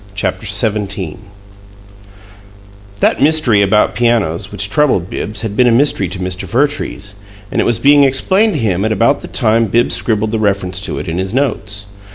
CHAPTER XVII That "mystery about pianos" which troubled Bibbs had been a mystery to Mr. Vertrees, and it was being explained to him at about the time Bibbs scribbled the reference to it in his notes.